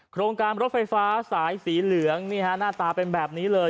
โครงการรถไฟฟ้าสายสีเหลืองนี่ฮะหน้าตาเป็นแบบนี้เลย